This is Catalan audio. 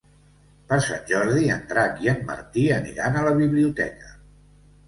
Per Sant Jordi en Drac i en Martí aniran a la biblioteca.